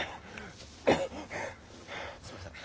すいません。